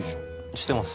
してます。